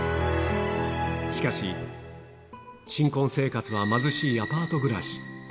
しかし、新婚生活は貧しいアパート暮らし。